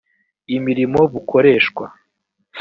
imirimo bukoreshwa